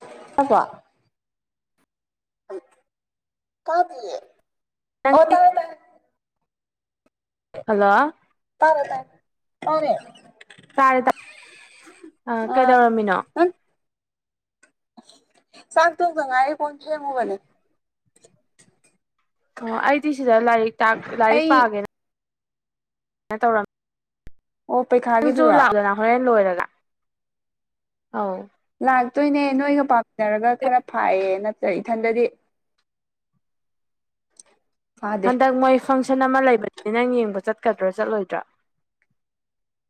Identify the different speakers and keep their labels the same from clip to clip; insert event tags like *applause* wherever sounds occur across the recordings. Speaker 1: *unintelligible* ꯇꯥꯗꯤꯌꯦ
Speaker 2: ꯅꯪ
Speaker 1: ꯑꯣ ꯇꯥꯔꯦ ꯇꯥꯔꯦ
Speaker 2: ꯍꯜꯂꯣ
Speaker 1: ꯇꯥꯔꯦ ꯇꯥꯢ ꯄꯥꯎꯃꯤ
Speaker 2: ꯇꯥꯔꯦ ꯇ ꯑ
Speaker 1: ꯑꯥ
Speaker 2: ꯀꯩꯗꯧꯔꯝꯃꯤꯅꯣ
Speaker 1: ꯅꯪ ꯆꯥꯛ ꯇꯣꯛꯇ ꯉꯥꯢꯔꯤ ꯀꯣꯟ ꯐꯦꯡꯉꯨꯕꯅꯦ
Speaker 2: ꯑꯣ ꯑꯩꯗꯤ ꯁꯤꯗ ꯂꯥꯏꯔꯤꯛ ꯇꯥꯛ ꯂꯥꯏꯔꯤꯛ
Speaker 1: ꯑꯩ
Speaker 2: ꯄꯥꯒꯦꯅ ꯇꯧꯔꯝ
Speaker 1: ꯑꯣ ꯄꯩꯈꯥ
Speaker 2: ꯅꯪꯖꯨ ꯂꯥꯛꯎꯗꯅ ꯍꯣꯔꯦꯟ ꯂꯣꯏꯔꯒ ꯑꯧ
Speaker 1: ꯂꯥꯛꯇꯣꯏꯅꯦ ꯅꯣꯏꯒ ꯄꯥꯝꯃꯤꯟꯅꯔꯒ ꯈꯔ ꯐꯥꯏꯌꯦ ꯅꯠꯇ꯭ꯔ ꯏꯊꯟꯗꯗꯤ *unintelligible*
Speaker 2: ꯍꯟꯗꯛ ꯃꯣꯏꯁ ꯐꯪꯁꯟ ꯑꯃ ꯂꯩꯕꯅꯤ ꯅꯪ ꯌꯦꯡꯕ ꯆꯠꯀꯗ꯭ꯔꯥ ꯆꯠꯂꯣꯏꯗ꯭ꯔꯥ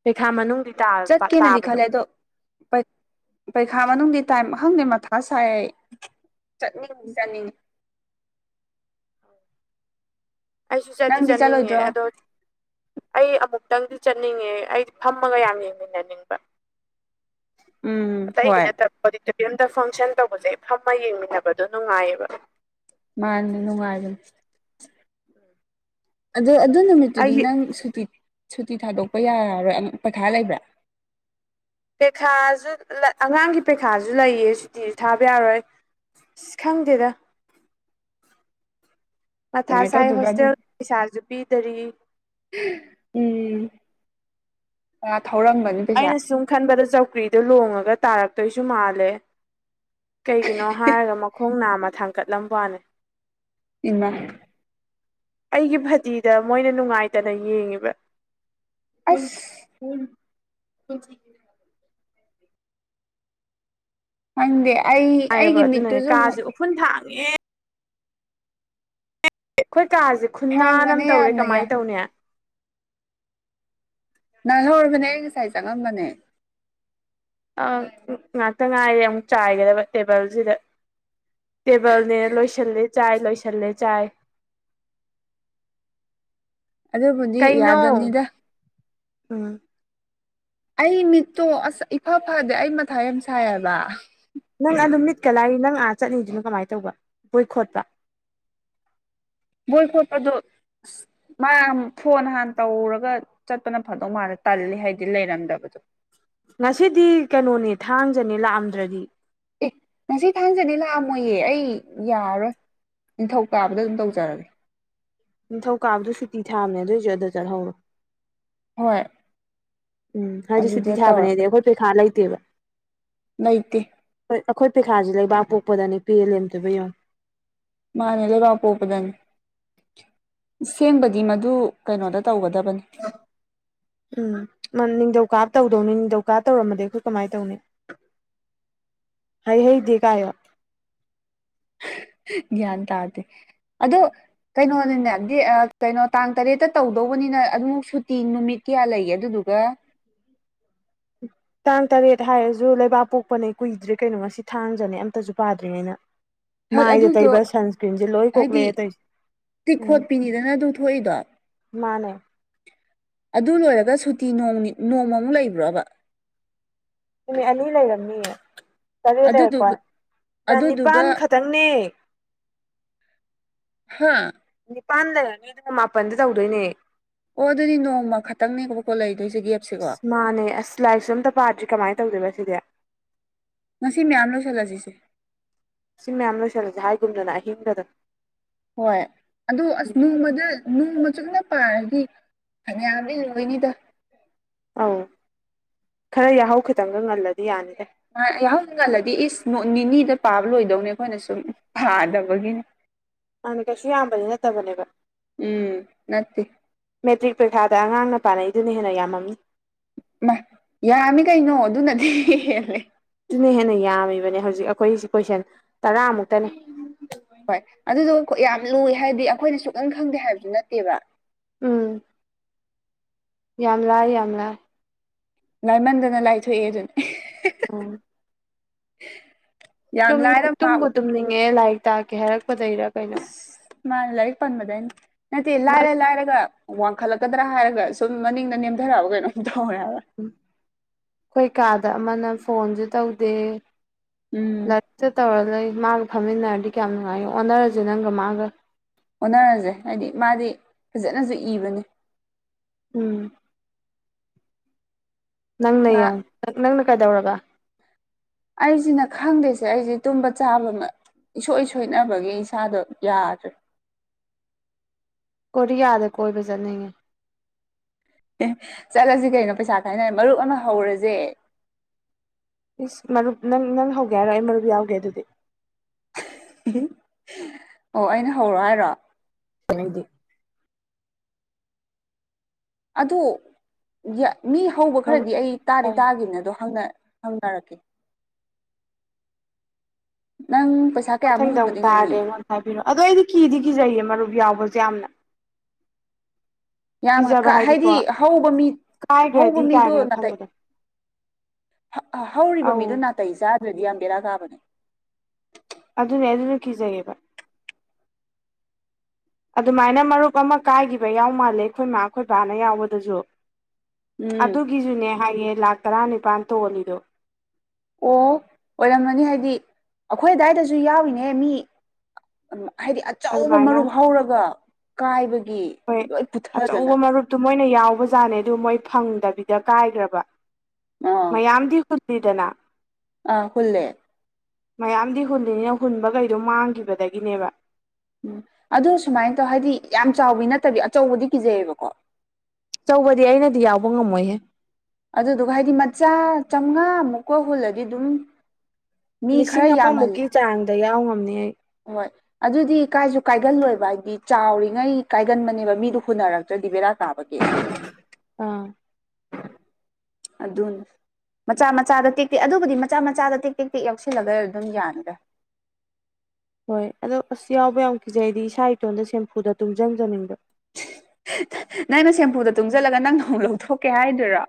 Speaker 2: ꯄꯩꯈꯥ ꯃꯅꯨꯡꯗꯤ ꯇꯥꯕ
Speaker 1: ꯆꯠꯀꯦꯅꯗꯤ
Speaker 2: ꯇꯥꯕꯗꯣ
Speaker 1: ꯈꯜꯂꯦ ꯑꯗꯣ ꯄꯩ ꯄꯩꯈꯥ ꯃꯅꯨꯡꯒꯤ ꯇꯥꯏ ꯑꯍꯪꯗꯦ ꯃꯊꯥ ꯁꯥꯏ ꯑꯩ ꯆꯠꯅꯤꯡ ꯆꯠꯅꯤꯡ
Speaker 2: ꯑꯩꯁꯨ ꯆꯠꯇꯤ
Speaker 1: ꯅꯪꯗꯤ
Speaker 2: ꯆꯠꯅꯤꯡꯉꯦ
Speaker 1: ꯆꯠꯂꯣꯏꯗ꯭ꯔꯣ
Speaker 2: ꯑꯗꯣꯠ ꯑꯩ ꯑꯃꯨꯛꯇꯪꯗꯤ ꯆꯠꯅꯤꯡꯉꯦ ꯑꯩꯗꯤ ꯐꯝꯃꯒ ꯌꯥꯝ ꯌꯦꯡꯃꯤꯟꯅꯅꯤꯡꯕ
Speaker 1: ꯎꯝ ꯍꯣꯏ
Speaker 2: ꯑꯇꯩꯒꯤꯅꯇꯞ ꯑꯣꯗꯤꯇꯣꯔꯤꯌꯝꯗ ꯐꯪꯁꯟ ꯇꯧꯕꯖꯦ ꯐꯝꯃ ꯌꯦꯡꯃꯤꯟꯅꯕꯗꯣ ꯅꯨꯡꯉꯥꯏꯌꯦꯕ
Speaker 1: ꯃꯥꯅꯦ ꯅꯨꯡꯉꯥꯏꯕꯅꯤ
Speaker 2: ꯎꯝ
Speaker 1: ꯑꯗꯣ ꯑꯗꯨ ꯅꯨꯃꯤꯠꯇꯨꯗꯤ ꯅꯪ ꯁꯨꯇꯤ ꯁꯨꯇꯤ ꯊꯥꯗꯣꯛꯄ ꯌꯥꯔꯔꯣꯏ ꯄꯩꯈꯥ ꯂꯩꯕ꯭ꯔꯥ
Speaker 2: ꯄꯦꯈꯥꯖꯨ ꯂ ꯑꯉꯥꯡꯒꯤ ꯄꯩꯈꯥꯁꯨ ꯂꯩꯌꯦ ꯁꯨꯇꯤꯖꯨ ꯊꯥꯕ ꯌꯥꯔꯣꯏ ꯁꯤꯁ ꯈꯪꯗꯦꯗ ꯃꯊꯥ
Speaker 1: ꯀꯃꯥꯏꯅ
Speaker 2: ꯁꯥꯏ
Speaker 1: ꯇꯧꯗꯣꯏꯕ ꯑꯗꯨ
Speaker 2: ꯍꯣꯁꯇꯦꯜ ꯄꯩꯁꯥꯖꯨ ꯄꯤꯗꯔꯤ
Speaker 1: ꯎꯝ ꯑ ꯊꯧꯔꯝꯕꯅꯤ ꯄꯩꯁꯥ
Speaker 2: ꯑꯩꯅ ꯁꯨꯝ ꯈꯟꯕꯗ ꯆꯧꯀ꯭ꯔꯤꯗꯣ ꯂꯣꯡꯉꯒ ꯇꯥꯔꯛꯇꯣꯏꯁꯨ ꯃꯥꯜꯂꯦ ꯀꯩꯒꯤꯅꯣ ꯍꯥꯏꯔꯒ ꯃꯈꯣꯡ ꯅꯥꯝꯃ ꯊꯥꯡꯀꯠꯂꯝꯕꯥꯎꯅꯦ
Speaker 1: ꯏꯃ
Speaker 2: ꯑꯩꯒꯤ ꯐꯗꯤꯗ ꯃꯣꯏꯅ ꯅꯨꯡꯉꯥꯏꯇꯅ ꯌꯦꯡꯉꯤꯕ
Speaker 1: ꯑꯁ
Speaker 2: *unintelligible*
Speaker 1: ꯈꯪꯗꯦ ꯑꯩ ꯑꯩꯒꯤ ꯃꯤꯠꯇꯨꯖꯨ ꯑꯃꯨꯛ
Speaker 2: ꯐꯨꯟ ꯊꯥꯡꯉꯦ ꯈꯣꯏ ꯀꯥꯖꯦ ꯈꯨꯟꯅꯥꯟ ꯑꯝ
Speaker 1: ꯍꯥꯡꯕꯅꯦ
Speaker 2: ꯇꯧꯔꯦ
Speaker 1: ꯌꯥꯝꯅ ꯌꯥꯏ
Speaker 2: ꯀꯃꯥꯏꯅ ꯇꯧꯅꯦ
Speaker 1: ꯅꯥꯜꯍꯧꯔꯕꯅꯦ ꯑꯩ ꯉꯁꯥꯏ ꯆꯪꯉꯝꯕꯅꯦ
Speaker 2: ꯑ ꯉꯥꯛꯇ ꯉꯥꯏꯔꯦ ꯑꯃꯨꯛ ꯆꯥꯏꯒꯗꯕ ꯇꯦꯕꯜꯖꯤꯗ ꯇꯦꯕꯜꯅꯦ ꯂꯣꯏꯁꯤꯜꯂꯦ ꯆꯥꯏ ꯂꯣꯏꯁꯤꯜꯂꯦ ꯆꯥꯏ
Speaker 1: ꯑꯗꯨꯕꯨꯗꯤ
Speaker 2: ꯀꯩꯅꯣ
Speaker 1: ꯌꯥꯗꯕꯅꯤꯗ
Speaker 2: ꯎꯝ
Speaker 1: ꯑꯩ ꯃꯤꯠꯇꯣ ꯑꯁ ꯏꯐ ꯐꯗꯦ ꯑꯩ ꯃꯊꯥ ꯌꯥꯝ ꯁꯥꯏꯌꯦꯕ
Speaker 2: ꯅꯪ ꯑꯗꯨꯝ ꯃꯤꯠꯀ ꯂꯥꯏꯔꯤ ꯅꯪ ꯑ ꯆꯠꯅꯤꯡꯗꯨꯅꯣ ꯀꯃꯥꯏꯅ ꯇꯧꯕ ꯕꯣꯏ ꯈꯣꯠꯄ
Speaker 1: ꯕꯣꯏ ꯈꯣꯠꯄꯗꯨꯣ ꯑꯁ ꯃꯥꯔꯝ ꯐꯣꯟ ꯍꯥꯟꯅ ꯇꯧꯔꯒ ꯆꯠꯄꯅ ꯐꯗꯧ ꯃꯥꯥꯟꯅ ꯇꯜꯂꯤ ꯍꯥꯏꯗꯤ ꯂꯩꯔꯝꯗꯕꯗꯣ
Speaker 2: ꯉꯁꯤꯗꯤ ꯀꯩꯅꯣꯅꯦ ꯊꯥꯡꯖꯅꯦ ꯂꯥꯛꯑꯝꯗ꯭ꯔꯗꯤ
Speaker 1: ꯑꯦ ꯉꯁꯤ ꯊꯥꯡꯖꯅꯦ ꯂꯥꯛꯑꯝꯃꯣꯏꯌꯦ ꯑꯩ ꯌꯥꯔꯔꯣꯏ ꯅꯤꯡꯊꯧꯀꯥꯕꯗ ꯑꯗꯨꯝ ꯇꯧꯖꯔꯒꯦ
Speaker 2: ꯅꯤꯡꯊꯧꯀꯥꯕꯗꯨ ꯁꯨꯇꯤ ꯊꯥꯝꯅꯦ ꯑꯗꯣꯏꯖꯨ ꯑꯗꯨꯗ ꯆꯠꯍꯧꯔꯣ
Speaker 1: ꯍꯣꯏ
Speaker 2: ꯎꯝ ꯍꯥꯏꯗꯤ
Speaker 1: ꯑꯗꯨꯗ
Speaker 2: ꯁꯨꯇꯤ
Speaker 1: ꯇꯧꯔꯒ
Speaker 2: ꯊꯥꯕꯅꯦꯗꯤ ꯑꯩꯈꯣꯏ ꯄꯩꯈꯥ ꯂꯩꯇꯦꯕ
Speaker 1: ꯅꯩꯇꯦ
Speaker 2: ꯍꯣꯏ ꯑꯩꯈꯣꯏ ꯄꯩꯈꯥꯥꯖꯦ ꯂꯩꯕꯥꯛ ꯄꯣꯛꯄꯗꯅꯦ ꯄꯦꯜꯂꯦ ꯑꯝꯇꯣꯏꯕ ꯌꯦꯡꯉꯣ
Speaker 1: ꯃꯥꯅꯦ ꯑꯗꯨꯒ ꯄꯣꯛꯄꯗꯅꯤ ꯏꯁꯦꯡꯕꯒꯤ ꯃꯗꯨ ꯀꯩꯅꯣꯗ ꯇꯧꯒꯗꯕꯅꯤ
Speaker 2: ꯎꯝ ꯃꯥ ꯅꯤꯡꯗꯧ ꯀꯥꯕ ꯇꯧꯗꯧꯅꯤ ꯅꯤꯡꯗꯧꯀꯥ ꯇꯧꯔꯝꯃꯗꯤ ꯑꯩꯈꯣꯏ ꯀꯃꯥꯏ ꯇꯧꯅꯤ ꯍꯥꯏ ꯍꯩꯗꯤ ꯀꯥꯏꯌꯣ
Speaker 1: ꯒꯌꯥꯟ ꯇꯥꯗꯦ ꯑꯗꯣ ꯀꯩꯅꯣꯅꯤꯅꯦ ꯗꯦ ꯑꯥ ꯀꯩꯅꯣ ꯇꯥꯡ ꯇꯔꯦꯠꯇ ꯇꯧꯗꯧꯕꯅꯤꯅ ꯑꯗꯨꯃꯨꯛ ꯁꯨꯇꯤ ꯅꯨꯃꯤꯠ ꯀꯌꯥ ꯂꯩꯒꯦ ꯑꯗꯨꯗꯨꯒ *inaudible*
Speaker 2: ꯇꯥꯡ ꯇꯔꯦꯠ ꯍꯥꯏꯔꯖꯨ ꯂꯩꯕꯥꯛ ꯄꯣꯛꯄꯅꯦ ꯀꯨꯏꯗ꯭ꯔꯦ ꯀꯩꯅꯣ ꯉꯁꯤ ꯊꯥꯡꯖꯅꯦ ꯑꯝꯇꯁꯨ ꯄꯥꯗ꯭ꯔꯤꯉꯩꯩꯅ ꯃꯥꯏꯗ
Speaker 1: ꯑꯗꯨꯗꯣ
Speaker 2: ꯇꯩꯕ ꯁꯟꯁꯀ꯭ꯔꯤꯟꯖꯦ ꯂꯣꯏ ꯀꯣꯛꯂꯛꯑꯦ
Speaker 1: ꯍꯥꯏꯗꯤ
Speaker 2: ꯇꯧꯁꯦ
Speaker 1: ꯇꯤꯛ ꯈꯣꯠꯄꯤꯅꯤꯗꯅ ꯑꯗꯨ ꯊꯣꯛꯏꯗꯣ
Speaker 2: ꯃꯥꯅꯦ
Speaker 1: ꯑꯗꯨ ꯂꯣꯏꯔꯒ ꯁꯨꯇꯤ ꯅꯣꯡꯅꯤ ꯅꯣꯡꯃꯃꯨ ꯂꯩꯕ꯭ꯔꯕ
Speaker 2: ꯅꯨꯃꯤꯠ ꯑꯅꯤ ꯂꯩꯔꯝꯅꯤꯌꯦ ꯇꯔꯦꯠ
Speaker 1: ꯑꯗꯨꯗꯨ
Speaker 2: ꯂꯩꯔꯦꯀꯣ ꯇꯥꯡ ꯅꯤꯄꯥꯟ
Speaker 1: ꯑꯗꯨꯗꯨꯒ
Speaker 2: ꯈꯥꯛ ꯇꯟꯅꯦ
Speaker 1: ꯍꯥꯥ
Speaker 2: ꯅꯤꯄꯥꯟ ꯂꯩꯔꯅꯤꯗꯅ ꯃꯥꯄꯟꯗ ꯇꯧꯗꯣꯏꯅꯦ
Speaker 1: ꯑꯣ ꯑꯗꯨꯗꯤ ꯅꯣꯡꯃ ꯈꯇꯪꯅꯦꯕꯕꯀꯣ ꯂꯩꯗꯣꯏꯁꯦ ꯒꯦꯞ
Speaker 2: ꯑꯁ ꯃꯥꯅꯦ ꯑꯁ ꯂꯥꯏꯁꯨ ꯑꯝꯇ ꯄꯥꯗ꯭ꯔꯤ ꯀꯃꯥꯏꯅ ꯇꯧꯗꯣꯏꯕ ꯁꯤꯗꯤ
Speaker 1: ꯉꯁꯤ ꯃꯌꯥꯝ ꯂꯣꯏꯁꯜꯂꯁꯤꯁꯦ
Speaker 2: ꯁꯤ ꯃꯌꯥꯝ ꯂꯣꯏꯁꯜꯂꯁꯦ ꯍꯥꯏꯒꯨꯝꯗꯅ ꯑꯍꯤꯡꯒꯗ
Speaker 1: ꯍꯣꯏ ꯑꯗꯣ ꯑꯁ ꯅꯣꯡꯃꯗ ꯅꯣꯡꯃ ꯆꯪꯅ ꯄꯥꯔꯗꯤ ꯐꯅꯌꯥꯝꯗꯤ ꯂꯣꯏꯅꯤꯗ
Speaker 2: ꯑꯧ ꯈꯔ ꯌꯥꯍꯧ ꯈꯤꯇꯪꯒ ꯉꯜꯂꯗꯤ ꯌꯥꯅꯤꯗꯦ
Speaker 1: ꯑꯥ ꯑꯩ ꯌꯥꯍꯧꯉꯜꯂꯗꯤ ꯏꯁ ꯅꯣꯠ ꯅꯤꯅꯤꯗ ꯄꯥꯕ ꯂꯣꯏꯗꯧꯅꯦ ꯑꯩꯈꯣꯏꯅ ꯁꯨꯝ ꯄꯥꯗꯕꯒꯤꯅꯤ
Speaker 2: ꯃꯥꯥꯟꯅꯦ ꯀꯩꯁꯨ ꯌꯥꯝꯕꯗꯤ ꯅꯠꯇꯕꯅꯦꯕ
Speaker 1: ꯎꯝ ꯅꯠꯇꯦ
Speaker 2: ꯃꯦꯇ꯭ꯔꯤꯛ ꯄꯔꯤꯈꯥꯗ ꯑꯉꯥꯡꯅ ꯄꯥꯅꯩꯗꯨꯅ ꯍꯦꯟꯅ ꯌꯥꯝꯃꯝꯅꯤ
Speaker 1: ꯏꯃꯥ ꯌꯥꯝꯃꯤ ꯀꯩꯅꯣ ꯑꯗꯨꯅꯗꯤ ꯍꯦꯜꯂꯦ
Speaker 2: ꯇꯨꯅ ꯍꯦꯟꯅ ꯌꯥꯝꯃꯤꯕꯅꯦ ꯍꯧꯖꯤꯛ ꯑꯩꯈꯣꯏꯁꯤ ꯀꯣꯏꯁꯟ ꯇꯔꯥꯃꯨꯛꯇꯅꯦ
Speaker 1: ꯍꯣꯏ ꯑꯗꯨꯗꯣ ꯈꯣ ꯌꯥꯝ ꯂꯨꯏ ꯍꯥꯏꯗꯤ ꯑꯩꯈꯣꯏꯅ ꯁꯨꯈꯪ ꯈꯪꯗꯦ ꯍꯥꯏꯕꯁꯨ ꯅꯠꯇꯦꯕ
Speaker 2: ꯎꯝ ꯌꯥꯝ ꯂꯥꯏ ꯌꯥꯝ ꯂꯥꯏ
Speaker 1: ꯂꯥꯏꯃꯟꯗꯅ ꯂꯥꯏꯊꯣꯛꯑꯦ ꯑꯗꯨꯅꯤ
Speaker 2: ꯎꯝ
Speaker 1: *inaudible*
Speaker 2: ꯇꯨꯝ
Speaker 1: ꯂꯥꯏꯔ
Speaker 2: *inaudible*
Speaker 1: ꯃꯥ
Speaker 2: ꯇꯨꯝꯕꯨ ꯇꯨꯝꯅꯤꯡꯉꯛꯑꯦ ꯂꯥꯏꯔꯤꯛ ꯇꯥꯛꯀꯦ ꯍꯥꯏꯔꯛꯄꯗꯩꯔ ꯀꯩꯅꯣ
Speaker 1: ꯏꯁ ꯃꯥꯅꯦ ꯂꯥꯏꯔꯤꯛ ꯄꯟꯕꯗꯩꯅꯤ ꯅꯠꯇꯦ ꯂꯥꯏꯔ ꯂꯥꯏꯔꯒ ꯋꯥꯡꯈꯠꯂꯛꯀꯗ꯭ꯔꯥ ꯍꯥꯏꯔꯒ ꯁꯨꯝ ꯃꯅꯤꯡꯗ ꯅꯦꯝꯊꯔꯛꯑꯕ ꯀꯩꯅꯣꯝ ꯇꯧꯔꯦ ꯍꯥꯏꯕ
Speaker 2: ꯎꯝ ꯑꯩꯈꯣꯏ ꯀꯥꯗ ꯑꯃꯅ ꯐꯣꯟꯁꯨ ꯇꯧꯗꯦ
Speaker 1: ꯎꯝ
Speaker 2: ꯂꯥ ꯆ ꯇꯧꯔ ꯂꯩ ꯃꯥꯒ ꯐꯝꯃꯤꯟꯅꯔꯗꯤ ꯀꯌꯥꯝ ꯅꯨꯡꯉꯥꯏ ꯑꯣꯟꯅꯔꯁꯦ ꯅꯪꯒ ꯃꯥꯒ
Speaker 1: ꯑꯣꯟꯅꯔꯖꯦ ꯍꯥꯏꯗꯤ ꯃꯥꯗꯤ ꯐꯖꯅꯁꯨ ꯏꯕꯅꯤ
Speaker 2: ꯎꯝ ꯅꯪꯅ
Speaker 1: ꯃꯥ
Speaker 2: ꯌꯦꯡꯉꯣ ꯅꯪꯅ ꯀꯩꯗꯧꯔꯕ
Speaker 1: ꯑꯩꯁꯤꯅ ꯈꯪꯗꯦꯁꯦ ꯑꯩꯁꯦ ꯇꯨꯝꯕ ꯆꯥꯕꯃ *unintelligible* ꯏꯁꯣꯏ ꯁꯣꯏꯅꯕꯒꯤ ꯏꯁꯥꯗꯣ ꯌꯥꯗ꯭ꯔꯦ
Speaker 2: ꯀꯔꯤꯌꯥꯗ ꯀꯣꯏꯕ ꯆꯠꯅꯤꯡꯉꯦ
Speaker 1: ꯑꯦ ꯆꯠꯂꯁꯤ ꯀꯩꯅꯣ ꯄꯩꯁꯥ ꯀꯥꯏꯅꯔ ꯃꯔꯨꯞ ꯑꯃ ꯍꯧꯔꯖꯦ
Speaker 2: ꯏꯁ ꯃꯔꯨꯞ ꯅꯪ ꯅꯪ ꯍꯧꯒꯦ ꯍꯥꯏꯔꯣ ꯑꯩ ꯃꯔꯨꯞ ꯌꯥꯎꯒꯦ ꯑꯗꯨꯗꯤ
Speaker 1: ꯑꯣ ꯑꯩꯅ ꯍꯧꯔꯣ ꯍꯥꯏꯔꯣ
Speaker 2: ꯀꯥꯏꯗꯦ
Speaker 1: ꯑꯗꯨ ꯌ ꯃꯤ ꯍꯧꯕ
Speaker 2: ꯃꯔꯨꯞ
Speaker 1: ꯈꯔꯗꯤ ꯑꯩ ꯇꯥꯗꯤ
Speaker 2: ꯇꯧ
Speaker 1: ꯇꯥꯒꯤꯝꯅꯦ ꯑꯗꯣ ꯍꯪꯅ ꯍꯪꯅꯔꯛꯀꯦ ꯅꯪ ꯄꯩꯁꯥ
Speaker 2: ꯅꯪ
Speaker 1: ꯀꯌꯥꯃꯨꯛ
Speaker 2: ꯃꯊꯪꯗ ꯑꯃꯨꯛ
Speaker 1: ꯍꯨꯟꯕꯗꯤ ꯉꯝꯅꯤ
Speaker 2: ꯇꯥꯔꯗꯤ ꯑꯩꯉꯣꯟꯗ ꯍꯥꯏꯕꯤꯔꯛꯑꯣ ꯑꯗꯣ ꯑꯩꯗꯤ ꯀꯤꯗꯤ ꯀꯤꯖꯩꯌꯦ ꯃꯔꯨꯞ ꯌꯥꯎꯕꯁꯦ ꯌꯥꯝꯅ
Speaker 1: ꯌꯥꯝ
Speaker 2: ꯀꯤꯖꯕ ꯍꯥꯏꯗꯤꯀꯣ
Speaker 1: ꯍꯥꯏꯗꯤ ꯍꯧꯕ ꯃꯤ
Speaker 2: ꯀꯥꯏꯈ꯭ꯔꯗꯤ
Speaker 1: ꯍꯧꯕ ꯃꯤꯗꯣ
Speaker 2: ꯀꯥꯏꯅ ꯈꯟꯕꯗꯣ ꯫
Speaker 1: ꯍ ꯍꯧꯔꯤꯕ
Speaker 2: ꯑꯧ
Speaker 1: ꯃꯤꯗꯣ ꯅꯥꯇꯩ ꯆꯥꯗ꯭ꯔꯗꯤ ꯌꯥꯝ ꯕꯦꯔꯥ ꯀꯥꯕꯅꯦ ꯫
Speaker 2: ꯑꯗꯨꯅꯦ ꯑꯗꯨꯅ ꯀꯤꯖꯩꯌ‍ꯦꯕ ꯫ ꯑꯗꯨꯃꯥꯏꯅ ꯃꯔꯨꯞ ꯑꯃ ꯀꯥꯏꯈꯤꯕ ꯌꯥꯎ ꯃꯥꯜꯂꯦ ꯑꯩꯈꯣꯏꯃꯥ ꯈꯣꯏꯕꯥꯅ ꯌꯥꯎꯕꯗꯖꯨ ꯫
Speaker 1: ꯎꯝ
Speaker 2: ꯑꯗꯨꯒꯤꯖꯨꯅꯦ ꯍꯥꯏꯌꯦ ꯂꯥꯛ ꯇꯔꯥꯅꯤꯄꯥꯟ ꯇꯣꯜꯂꯤꯗꯣ
Speaker 1: ꯑꯣ ꯑꯣꯏꯔꯝꯃꯅꯤ ꯍꯥꯏꯗꯤ ꯑꯈꯣꯏ ꯑꯗꯥꯏꯗꯁꯨ ꯌꯥꯎꯔꯤꯅꯦ ꯃꯤ ꯎꯝ ꯍꯥꯏꯗꯤ ꯑꯆꯧꯕ
Speaker 2: ꯑꯗꯨꯃꯥꯏꯅ
Speaker 1: ꯃꯔꯨꯞ ꯍꯧꯔꯒ ꯀꯥꯏꯕꯒꯤ ꯂꯣꯏ ꯄꯨꯊꯗꯅ ꯫
Speaker 2: ꯇꯨ ꯃꯣꯏꯅ ꯌꯥꯎꯕꯖꯥꯠꯅꯦ ꯑꯗꯨ ꯃꯣꯏ ꯐꯪꯗꯕꯤꯗ ꯀꯥꯏꯒ꯭ꯔꯕ ꯃꯌꯥꯝꯗꯤ ꯍꯨꯜ *unintelligible* ꯗꯅ
Speaker 1: ꯑ ꯍ‌ꯨꯜꯂꯦ ꯫
Speaker 2: ꯃꯌꯥꯝꯗꯤ ꯍꯨꯜꯂꯤꯅ‌ꯦ ꯍꯨꯟꯕꯒꯩꯗꯣ ꯃꯥꯡꯒꯤꯕꯗꯒꯤꯅꯦꯕ ꯫
Speaker 1: ꯎꯝ ꯑꯗꯨ ꯁꯨꯃꯥꯏ ꯇꯧ ꯍꯥꯏꯗꯤ ꯌꯥꯝ ꯆꯥꯎꯕꯤ ꯅꯠꯇꯕꯤ ꯑꯆꯧꯕꯗꯤ ꯀꯤꯖꯩꯌ‌ꯦꯕꯀꯣ ꯫
Speaker 2: ꯆꯧꯕꯗꯤ ꯑꯩꯅꯗꯤ ꯌꯥꯎꯕ ꯉꯝꯃꯣꯏꯍꯦ ꯫
Speaker 1: ꯑꯗꯨꯗꯨꯒ ꯍꯥꯏꯗꯤ ꯃꯆꯥ ꯆꯥꯝꯉꯥꯃꯨꯛꯀ ꯍꯨꯜꯂꯗꯤ ꯑꯗꯨꯝ ꯃꯤ ꯈꯔ
Speaker 2: ꯂꯤꯁꯤꯡ
Speaker 1: ꯌꯥꯝꯍꯜ
Speaker 2: ꯑꯃꯃꯨꯛꯀꯤ ꯆꯥꯡꯗ ꯌꯥꯎ ꯉꯝꯅꯤ ꯑꯩ
Speaker 1: ꯍꯣꯏ ꯑꯗꯨꯗꯤ ꯀꯥꯏꯁꯨ ꯀꯥꯏꯒꯜꯂꯣꯏꯕ ꯍꯥꯏꯗꯤ ꯆꯥꯎꯔꯤꯉꯩ ꯀꯥꯏꯒꯟꯕꯅꯦꯕ ꯃꯤꯗꯨ ꯍꯨꯅꯔꯛꯇ꯭ꯔꯗꯤ ꯕꯦꯔꯥ ꯇꯥꯕꯒꯤ
Speaker 2: ꯑꯥ
Speaker 1: ꯑꯗꯨꯅꯤ ꯃꯆꯥ ꯃꯆꯥꯗ ꯇꯦꯛꯇꯦꯛ ꯑꯗꯨꯕꯨꯗꯤ ꯃꯆꯥ ꯃꯆꯥꯗ ꯇꯦꯛ ꯇꯦꯛ ꯇꯦꯛ ꯌꯥꯎꯁꯤꯜꯂꯒ ꯑꯗꯨꯝ ꯌꯥꯅꯤꯗ
Speaker 2: ꯍꯣꯏ ꯑꯗꯣ ꯑꯁ ꯌꯥꯎꯕ ꯌꯥꯝ ꯀꯤꯖꯩ ꯗꯤ ꯏꯁꯥ ꯏꯇꯣꯟꯗ ꯁꯦꯝꯐꯨꯗ ꯇꯨꯡꯖꯟꯖꯅꯤꯡꯕ
Speaker 1: *unintelligible* ꯅꯪꯩꯅ ꯁꯦꯝꯐꯨꯗ ꯇꯨꯡꯖꯜꯂꯒ ꯅꯪꯅ ꯑꯃꯨꯛ ꯂꯧꯊꯣꯛꯀꯦ ꯍꯥꯏꯗꯣꯏꯔꯣ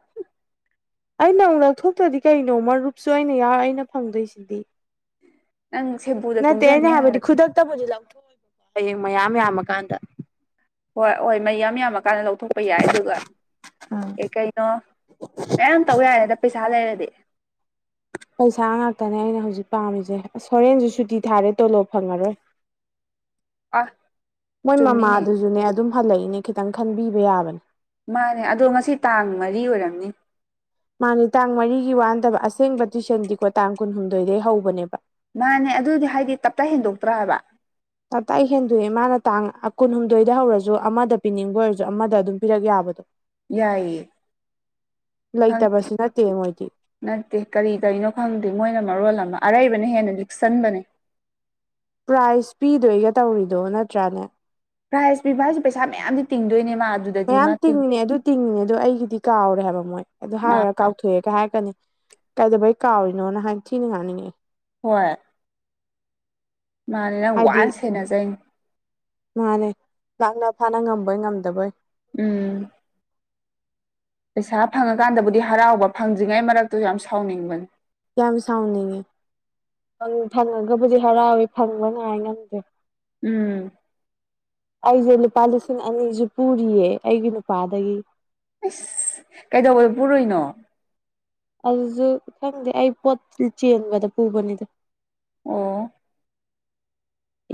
Speaker 2: ꯑꯩꯅ ꯑꯃꯨꯛ ꯂꯧꯊꯣꯛꯇ꯭ꯔꯗꯤ ꯀꯩꯅꯣ ꯃꯔꯨꯞꯁꯨ ꯑꯩꯅ ꯌꯥꯎꯔ ꯑꯩꯅ ꯐꯪꯗꯣꯏꯁꯤꯗꯤ
Speaker 1: ꯅꯪ ꯁꯦꯝꯕꯨ
Speaker 2: ꯅꯠꯇꯦ ꯑꯩꯅ ꯍꯥꯏꯕꯗꯤ ꯈꯨꯗꯛꯇꯕꯨꯗꯤ ꯂꯧꯊꯣꯛꯑ‌ꯣꯏꯕꯀꯣ ꯍꯌꯦꯡ ꯃꯌꯥꯝ ꯌꯥꯝꯃꯀꯥꯟꯗ
Speaker 1: ꯍꯣꯏ ꯍꯣꯏ ꯃꯩꯌꯥꯝ ꯌꯥꯝꯃꯀꯥꯟꯗ ꯂꯧꯊꯣꯛꯄ ꯌꯥꯏ ꯑꯗꯨꯒ
Speaker 2: ꯑꯥ
Speaker 1: ꯀꯩꯀꯩ ꯅꯣ ꯃꯌꯥꯝ ꯇꯧ ꯌꯥꯏꯌ‌ꯦꯗ ꯄꯩꯁꯥ ꯂꯩꯔꯗꯤ
Speaker 2: ꯄꯩꯁꯥ ꯉꯥꯛꯇꯅꯦ ꯑꯩꯅ ꯍꯧꯖꯤꯛ ꯄꯥꯝꯃꯤꯖꯦ ꯑꯁ ꯍꯣꯔꯦꯟꯖꯨ ꯁꯨꯇꯤ ꯊꯥꯔꯦ ꯇꯣꯂꯣꯞ ꯐꯪꯉꯔꯣꯏ
Speaker 1: ꯑ
Speaker 2: ꯃꯣꯏ
Speaker 1: ꯆꯨꯝꯃꯤꯅꯦ
Speaker 2: ꯃꯃꯥꯗꯨꯖꯨꯅꯦ ꯑꯗꯨꯝ ꯍꯜꯂꯛꯏꯅꯦ ꯈꯤꯇꯪ ꯈꯟꯕꯤꯕ ꯌꯥꯕꯅꯦ
Speaker 1: ꯃꯥꯅꯦ ꯑꯗꯣ ꯉꯁꯤ ꯇꯥꯡ ꯃꯔꯤ ꯑꯣꯏꯔꯝꯅꯤ ꯫
Speaker 2: ꯃꯥꯅꯦ ꯇꯥꯡ ꯃꯔꯤꯒꯤ ꯋꯥ ꯅꯠꯇꯕ ꯑꯁꯦꯡꯕ ꯇꯨꯏꯁꯟꯗꯤꯀꯣ ꯇꯥꯡ ꯀꯨꯟꯍꯨꯝꯗꯣꯏꯗꯩ ꯍꯧꯕꯅꯦꯕ
Speaker 1: ꯃꯥꯅꯦ ꯑꯗꯨꯗꯤ ꯍꯥꯏꯗꯤ ꯇꯞꯇꯥꯏ ꯍꯦꯟꯗꯣꯛꯇ꯭ꯔꯥꯕ
Speaker 2: ꯇꯞꯇꯥꯏ ꯍꯦꯟꯗꯣꯛꯑ‌ꯦ ꯃꯥꯅ ꯇꯥꯡ ꯑ ꯀꯨꯟꯍꯨꯝꯗꯣꯏꯗ ꯍꯧꯔꯖꯨ ꯑꯃꯗ ꯄꯤꯅꯤꯡꯕ ꯑꯣꯏꯔꯖꯨ ꯑꯃꯗ ꯑꯗꯨꯝ ꯄꯤꯔꯛ ꯌꯥꯕꯗꯣ
Speaker 1: ꯌꯥꯏꯌꯦ ꯈꯪ
Speaker 2: ꯂꯩꯇꯕꯁꯨ ꯅꯠꯇꯦ ꯃꯣꯏꯗꯤ ꯫
Speaker 1: ꯅꯠꯇꯦ ꯀꯔꯤ ꯇꯩꯅ‌ꯣ ꯈꯪꯗꯦ ꯃꯣꯏꯅ ꯃꯔꯣꯜ ꯑꯃ ꯑꯔꯩꯕꯅ ꯍꯦꯟꯅ ꯂꯤꯛꯁꯟꯕꯅꯦ
Speaker 2: ꯄ꯭ꯔꯥꯏꯖ ꯄꯤꯗꯣꯏꯒ ꯇꯧꯔꯤꯗꯣ ꯅꯠꯇ꯭ꯔꯥꯅꯦ
Speaker 1: ꯄ꯭ꯔꯥꯏꯖ ꯄꯤꯕ ꯍꯥꯏꯁꯦ ꯄꯩꯁꯥ ꯃꯌꯥꯝꯗꯤ ꯇꯤꯡꯗꯣꯏꯅꯦ ꯃꯥ ꯑꯗꯨ
Speaker 2: ꯃꯌꯥꯝ ꯇꯤꯡꯉꯤꯅꯦ ꯑꯗꯨ ꯇꯤꯡꯉꯤꯅꯦ ꯑꯗꯣ ꯑꯩꯒꯤꯗꯤ ꯀꯥꯎꯔꯦ ꯍꯥꯏꯕ ꯃꯣꯏ ꯑꯗꯨ
Speaker 1: ꯃꯥ
Speaker 2: ꯍꯥꯏꯔꯨꯔ ꯀꯥꯎꯊꯣꯛꯑꯦꯒ ꯍꯥꯏꯔꯛꯀꯅꯤ
Speaker 1: *inaudible*
Speaker 2: ꯀꯩꯏꯗꯧꯕꯩ ꯀꯥꯎꯔꯤꯅꯣꯅ ꯍꯥꯏ ꯊꯤꯅ ꯉꯥꯡꯅꯤꯡꯉ‌ꯑ‌ꯦ
Speaker 1: ꯍꯣꯏ ꯃꯥꯅꯤ ꯅꯪ
Speaker 2: ꯍꯥꯏꯗꯤ
Speaker 1: ꯋꯥꯅ ꯁꯦꯟꯅꯖꯩꯅ‌ꯦ ꯫
Speaker 2: ꯃꯥꯅꯦ ꯂꯥꯛꯅ ꯐꯥꯅ ꯉꯝꯕꯣꯏ ꯉꯝꯗꯕꯣꯏ ꯫
Speaker 1: ꯎꯝ ꯄꯩꯁꯥ ꯐꯪꯉꯀꯥꯟꯗꯕꯨꯗꯤ ꯍꯔꯥꯎꯕ ꯐꯪꯗ꯭ꯔꯤꯉꯩ ꯃꯔꯛꯇꯨ ꯌꯥꯝ ꯁꯥꯎꯅꯤꯡꯕꯅꯤ ꯫
Speaker 2: ꯌꯥꯝ ꯁꯥꯥꯎꯅꯤꯡꯉ‌ꯦ ꯫ ꯐꯪ ꯐꯪꯉꯒꯕꯨꯗꯤ ꯍꯔꯥꯎꯋꯤ ꯐꯪꯕ ꯉꯥꯏ ꯉꯝꯗ꯭ꯔ‌ꯦ
Speaker 1: ꯎꯝ
Speaker 2: ꯑꯩꯁꯦ ꯂꯨꯄꯥ ꯂꯤꯁꯤꯡ ꯑꯅꯤꯁꯨ ꯄꯨꯔꯤꯌꯦ ꯑꯩꯒꯤ ꯅꯨꯄꯥꯗꯒꯤ
Speaker 1: ꯑꯁ ꯀꯩꯗꯧꯕꯗ ꯄꯨꯔꯨꯏꯅꯣ
Speaker 2: ꯑꯩꯖꯨ ꯈꯪꯗꯦ ꯑꯩ ꯄꯣꯠ ꯆꯦꯟꯕꯗ ꯄꯨꯕꯅꯤꯗ
Speaker 1: ꯑꯣ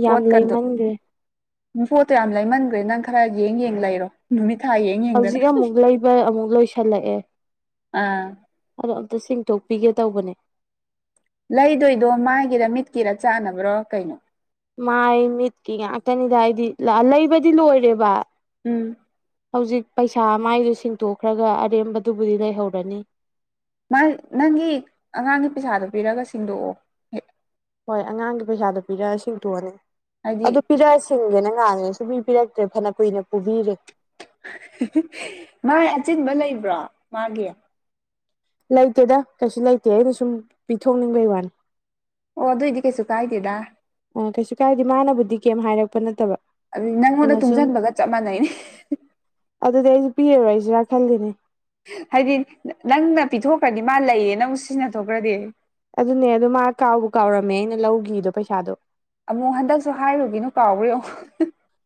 Speaker 2: ꯌꯥꯝ
Speaker 1: ꯄꯣꯠꯀꯗꯣ
Speaker 2: ꯂꯩꯃꯟꯈ꯭ꯔꯦ
Speaker 1: ꯄꯣꯠꯇꯣ ꯌꯥꯝ ꯂꯩꯃꯟꯒ꯭ꯔꯦ ꯅꯪ ꯈꯔ ꯌꯦꯡ ꯌꯦꯡ ꯂꯩꯔꯣ ꯅꯨꯃꯤꯠ ꯊꯥ ꯌꯦꯡ ꯌꯦꯡꯗꯅ
Speaker 2: ꯍꯧꯖꯤꯛ ꯑꯃꯨꯛ ꯂꯩꯕ ꯑꯃꯨꯛ ꯂꯣꯏꯁꯜꯂꯛꯑꯦ
Speaker 1: ꯑꯥ
Speaker 2: ꯑꯗꯣ ꯑꯝꯇ ꯁꯤꯡꯇꯣꯛꯄꯤꯒꯦ ꯇꯧꯕꯅꯦ
Speaker 1: ꯂꯩꯗꯣꯏꯗꯣ ꯃꯥꯏꯒꯤꯔ ꯃꯤꯠꯀꯤꯔ ꯆꯥꯟꯅꯕ꯭ꯔꯣ ꯀꯩꯅꯣ
Speaker 2: ꯃꯥꯏ ꯃꯤꯠꯀꯤ ꯉꯥꯛꯇꯅꯤꯗ ꯑꯩ ꯂꯥ ꯂꯩꯕꯗꯤ ꯂꯣꯏꯔꯦꯕ
Speaker 1: ꯎꯝ
Speaker 2: ꯍꯧꯖꯤꯛ ꯄꯩꯁꯥ ꯃꯥꯏꯗꯨ ꯁꯤꯡꯇꯣꯛꯈ꯭ꯔꯒ ꯑꯔꯦꯝꯕꯗꯨꯕꯨꯗꯤ ꯂꯩꯍꯧꯔꯅꯤ
Speaker 1: ꯃꯥꯏ ꯅꯪꯒꯤ ꯑꯉꯥꯡꯒꯤ ꯄꯩꯁꯥꯗꯨ ꯄꯤꯔꯑꯒ ꯁꯤꯡꯗꯣꯛꯑꯣ
Speaker 2: ꯍꯣꯏ ꯑꯉꯥꯡꯒꯤ ꯄꯩꯁꯥꯗꯨ ꯄꯤꯔꯛꯑ ꯁꯤꯡꯇꯣꯑꯅꯤ
Speaker 1: ꯍꯥꯏꯗꯤ
Speaker 2: ꯑꯗꯨ ꯄꯤꯔ ꯁꯤꯡꯒꯦꯅ ꯉꯥꯏꯝꯅꯤ ꯁꯨꯨꯄꯤ ꯄꯤꯔꯛꯇ꯭ꯔꯦ ꯐꯅ ꯀꯨꯏꯅ ꯄꯨꯕꯤꯔꯦ
Speaker 1: *unintelligible* ꯃꯥꯏ ꯑꯆꯤꯟꯕ ꯂꯩꯕ꯭ꯔꯣ ꯃꯥꯒꯤ
Speaker 2: ꯂꯩꯇꯦꯗ ꯀꯩꯁꯨ ꯂꯩꯇꯦ ꯑꯩꯅ ꯁꯨꯝ ꯄꯤꯊꯣꯛꯅꯤꯡꯕꯩ ꯋꯥꯅꯤ
Speaker 1: ꯑꯣ ꯑꯗꯣꯏꯗꯤ ꯀꯩꯁꯨ ꯀꯥꯏꯗꯦꯗ
Speaker 2: ꯑꯣ ꯀꯩꯁꯨ ꯀꯥꯏꯗꯦ ꯃꯥꯅꯕꯨꯗꯤ ꯀꯩꯝ ꯍꯥꯏꯔꯛꯄ ꯅꯠꯇꯕ
Speaker 1: ꯑꯗꯨ ꯅꯪꯉꯣꯟꯗ
Speaker 2: ꯑꯩꯅ ꯁꯨꯝ
Speaker 1: ꯇꯨꯡꯖꯟꯕꯒ ꯆꯞ ꯃꯥꯟꯅꯩ *unintelligible*
Speaker 2: ꯑꯗꯨꯗꯤ ꯑꯩꯁꯨ ꯄꯤꯔꯔꯣꯏꯁꯤꯔꯥ ꯈꯜꯂꯤꯅꯦ
Speaker 1: ꯍꯥꯏꯗꯤ ꯅ ꯅꯪꯅ ꯄꯤꯊꯣꯛꯈ꯭ꯔꯗꯤ ꯃꯥ ꯂꯩꯌꯦꯅ ꯑꯃꯨꯛ ꯁꯤꯖꯤꯟꯅꯊꯣꯛꯈ꯭ꯔꯗꯤ
Speaker 2: ꯑꯗꯨꯅꯦ ꯑꯗꯣ ꯃꯥ ꯀꯥꯎꯕꯨ ꯀꯥꯎꯔꯝꯃꯦ ꯑꯩꯅ ꯂꯧꯒꯤꯗꯣ ꯄꯩꯁꯥꯗꯣ
Speaker 1: ꯑꯃꯨꯛ ꯍꯟꯗꯛꯁꯨ ꯍꯥꯏꯔꯨꯒꯤꯅꯨ ꯀꯥꯎꯕ꯭ꯔꯥ ꯌꯦꯑꯣ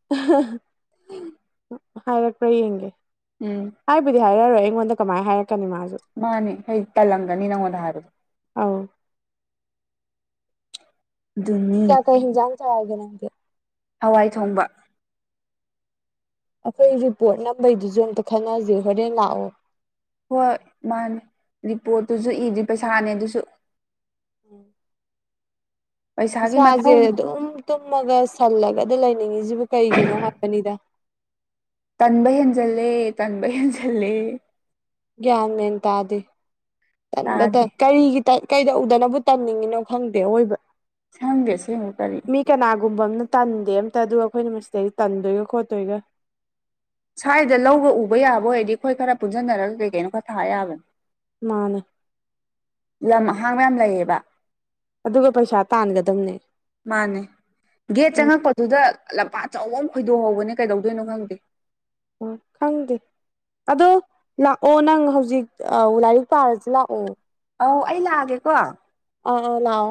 Speaker 2: *unintelligible* ꯍꯥꯏꯔꯛꯄ꯭ꯔꯥ ꯌꯦꯡꯒꯦ
Speaker 1: ꯎꯝ
Speaker 2: ꯍꯥꯏꯕꯨꯗꯤ ꯍꯥꯏꯔꯔꯣꯏ ꯑꯩꯉꯣꯟꯗ ꯀꯃꯥꯏꯅ ꯍꯥꯏꯔꯛꯀꯅꯤ ꯃꯥꯁꯨ
Speaker 1: ꯃꯥꯅꯦ ꯍꯥꯏ ꯇꯜꯂꯝꯒꯅꯤ ꯅꯪꯉꯣꯟꯗ ꯍꯥꯏꯕꯗꯣ
Speaker 2: ꯑꯧ
Speaker 1: ꯑꯗꯨꯅꯤ
Speaker 2: ꯆꯥ ꯀꯩ ꯍꯤꯟꯖꯥꯡ ꯆꯥꯔꯒꯦ ꯅꯪꯗꯤ
Speaker 1: ꯍꯋꯥꯏ ꯊꯣꯡꯕ
Speaker 2: ꯑꯩꯈꯣꯏ ꯔꯤꯄꯣꯠ ꯅꯝꯕꯩꯗꯨꯖꯨ ꯑꯝꯇ ꯈꯟꯅꯖꯦ ꯍꯣꯔꯦꯟ ꯂꯥꯛꯑꯣ
Speaker 1: ꯍꯣꯏ ꯃꯥꯅꯦ ꯔꯤꯄꯣꯠꯇꯨꯁꯨ ꯏꯗ꯭ꯔꯤ ꯄꯩꯁꯥꯅꯦ ꯑꯗꯨꯁꯨ
Speaker 2: ꯎꯝ
Speaker 1: ꯄꯩꯁꯥꯒꯤ
Speaker 2: ꯏꯁꯥꯁꯦ
Speaker 1: ꯃꯊꯧꯅꯦ
Speaker 2: ꯑꯗꯨꯝ ꯇꯨꯝꯃꯒ ꯁꯜꯂꯒꯗ ꯂꯩꯅꯤꯡꯉꯤꯁꯤꯕꯨ ꯀꯩꯒꯤꯅꯣ ꯍꯥꯏꯕꯅꯤꯗ
Speaker 1: ꯇꯟꯕ ꯍꯦꯟꯖꯜꯂꯦ ꯇꯟꯕ ꯍꯦꯟꯖꯜꯂꯦ
Speaker 2: ꯒ꯭ꯌꯥꯟ ꯃꯦꯟ ꯇꯥꯗꯦ ꯇꯟꯕꯇ
Speaker 1: ꯇꯥꯗꯦ
Speaker 2: ꯀꯔꯤꯒꯤ ꯇ ꯀꯩꯗꯧꯗꯅꯕꯨ ꯇꯟꯅꯤꯡꯉꯤꯅꯣ ꯈꯪꯗꯦ ꯑꯑꯣꯏꯕ
Speaker 1: ꯁꯪꯗꯦ ꯑꯁꯦꯡꯕ ꯀꯔꯤ
Speaker 2: ꯃꯤ ꯀꯅꯥꯒꯨꯝꯕ ꯑꯃꯅ ꯇꯟꯗꯦ ꯑꯝꯇ ꯑꯗꯨꯒ ꯑꯩꯈꯣꯏꯅ ꯃꯁꯤꯗꯩꯗ ꯇꯟꯗꯣꯏꯒ ꯈꯣꯠꯇꯣꯏꯒ
Speaker 1: ꯁ꯭ꯋꯥꯏꯗ ꯂꯧꯒ ꯎꯕ ꯌꯥꯕ ꯑꯣꯏꯔꯗꯤ ꯑꯩꯈꯣꯏ ꯈꯔ ꯄꯨꯟꯁꯖꯟꯅꯔꯒ ꯀꯩ ꯀꯩꯅꯣ ꯈꯔ ꯊꯥ ꯌꯥꯕꯅꯤ
Speaker 2: ꯃꯥꯅꯦ
Speaker 1: ꯂꯝ ꯑꯍꯥꯡꯕ ꯌꯥꯝ ꯂꯩꯌꯦꯕ
Speaker 2: ꯑꯗꯨꯒ ꯄꯩꯁꯥ ꯇꯥꯟꯒꯗꯝꯅꯦ
Speaker 1: ꯃꯥꯅꯦ ꯒꯦꯠ
Speaker 2: ꯎꯝ
Speaker 1: ꯆꯪꯉꯛꯄꯗꯨꯗ ꯂꯝꯄꯥꯛ ꯑꯆꯧꯕꯃ ꯈꯣꯏꯗꯣꯛꯍꯧꯕꯅꯦ ꯀꯩꯗꯧꯗꯣꯏꯅꯣ ꯈꯪꯗꯦ
Speaker 2: ꯑꯣ ꯈꯪꯗꯦ ꯑꯗꯣ ꯂꯥꯛꯑꯣ ꯅꯪ ꯍꯧꯖꯤꯛ ꯂꯥꯏꯔꯤꯛ ꯄꯥꯔꯁꯤ ꯂꯥꯛꯑꯣ
Speaker 1: ꯑꯧ ꯑꯩ ꯂꯥꯛꯑꯒꯦꯀꯣ
Speaker 2: ꯑꯧ ꯑꯧ ꯂꯥꯎ